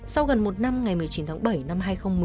sau gần một năm ngày một mươi chín tháng bảy năm hai nghìn một mươi